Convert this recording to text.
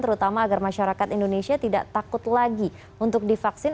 terutama agar masyarakat indonesia tidak takut lagi untuk divaksin